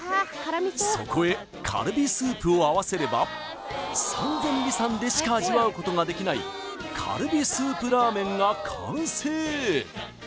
そこへカルビスープを合わせれば三千里さんでしか味わうことができないカルビスープラーメンが完成